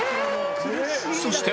そして